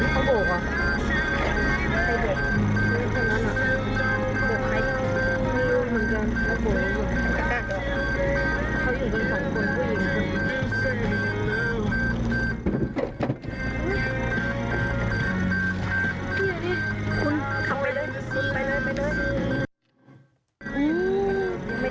ไปเลยไปเลย